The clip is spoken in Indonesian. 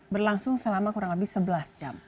berlangsung selama kurang lebih sebelas jam